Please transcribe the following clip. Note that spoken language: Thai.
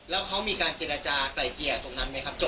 แล้วเขามีการเจรจากลายเกลี่ยตรงนั้นไหมครับ